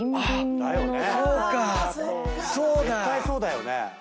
絶対そうだよね。